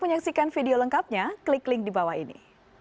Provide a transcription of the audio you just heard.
menyaksikan video lengkapnya klik link di bawah ini